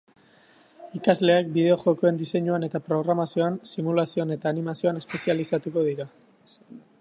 Ikasleak bideojokoen diseinuan eta programazioan, simulazioan eta animazioan espezializatuko dira.